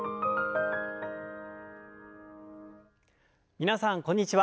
皆さんこんにちは。